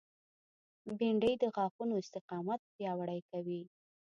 بېنډۍ د غاښونو استقامت پیاوړی کوي